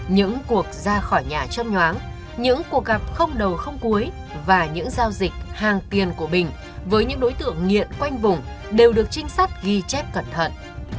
những cuộc ra khỏi nhà châm nhoáng những cuộc gặp không đầu không cuối và những giao dịch hàng tiền của bình với những đối tượng nghiện quanh vùng đều được trinh sát ghi chép cẩn thận